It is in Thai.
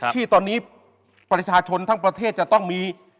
ที่ตอนนี้ประชาชนทั้งประเทศจะต้องมี